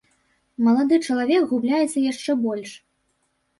Малады чалавек губляецца яшчэ больш.